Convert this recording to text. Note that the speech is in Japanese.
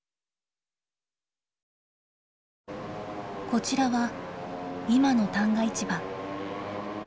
こちらは今の旦過市場。